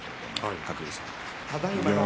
鶴竜さん。